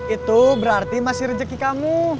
itu berarti masih rezeki kamu